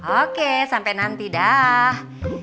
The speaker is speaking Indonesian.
oke sampai nanti dah